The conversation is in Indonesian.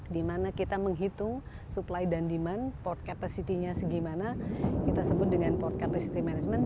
dimana kita menghitung supply dan demand port capacity nya segimana kita sebut dengan port capacity management